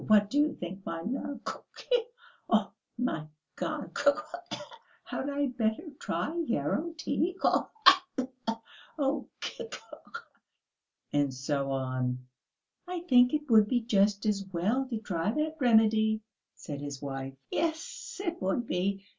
What do you think, my love? Khee! Oh, my God! Khee khee! Had I better try yarrow tea?... Khee khee khee! Oh ... Khee!" and so on. "I think it would be just as well to try that remedy," said his wife. "Yes, it would be!